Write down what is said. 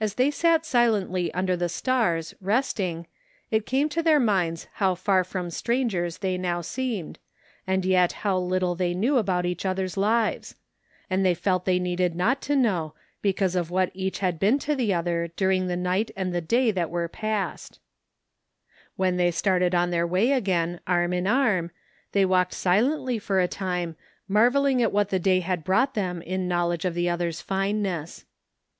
As they sat silently imder the stars, resting, it came to their minds how far from strangers they now seemed, 5 65 THE FINDING OF JASFEB HOLT and yet how little they knew about each other's lives ; and they felt they needed not to know because of what each had been to the other during the night and the day that were passed. When they started on their way again arm in arm, they walked silently for a time, marvelling at what the day had brought them in knowledge of the other's fineness.